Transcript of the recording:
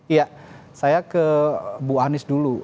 iya saya ke bu anies dulu